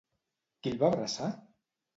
Qui el va abraçar?